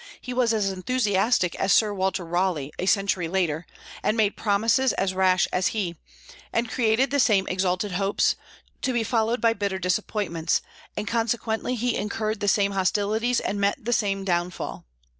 He was as enthusiastic as Sir Walter Raleigh a century later, and made promises as rash as he, and created the same exalted hopes, to be followed by bitter disappointments; and consequently he incurred the same hostilities and met the same downfall.